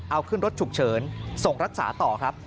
เอาขึ้นรถฉุกเฉินส่งรักษาต่อครับ